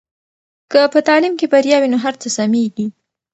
که په تعلیم کې بریا وي نو هر څه سمېږي.